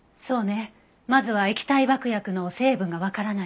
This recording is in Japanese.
まずは液体爆薬の成分がわからないと。